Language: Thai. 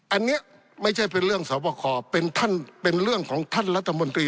อันนี้ไม่ใช่เป็นเรื่องสวบคอเป็นท่านเป็นเรื่องของท่านรัฐมนตรี